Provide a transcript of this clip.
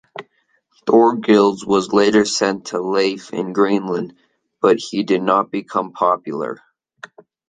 Thorgils was later sent to Leif in Greenland, but he did not become popular.